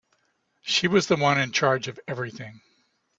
She was the one in charge of everything.